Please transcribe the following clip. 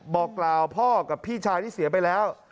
บอกกล่าวพ่อกับพี่ชายที่เสียไปแล้ว